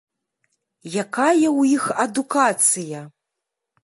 Якая ў іх адукацыя?